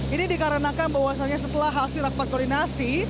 ini dikarenakan bahwasannya setelah hasil rapat koordinasi